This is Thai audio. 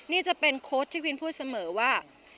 นี่จะเป็นโค้ชที่วินพูดเสมอว่า